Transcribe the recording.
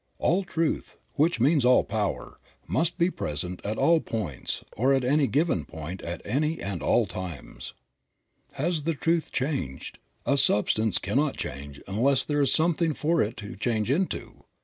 All Truth, which means all power, must be present at all points, or at any given point, at any and at all times. Has the Truth changed? A substance cannot change unless there is something for it to change into.